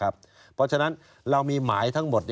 เพราะฉะนั้นเรามีหมายทั้งหมด